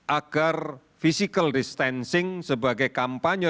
agar physical distancing sebagai kampanye